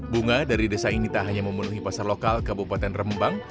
bunga dari desa ini tak hanya memenuhi pasar lokal kabupaten rembang